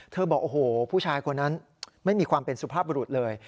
บอกโอ้โหผู้ชายคนนั้นไม่มีความเป็นสุภาพบรุษเลย